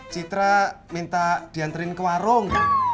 citra minta dianterin ke warung